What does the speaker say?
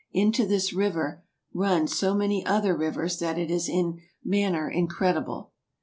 Into this Riuer runne so many other riuers, that it is in maner incredible.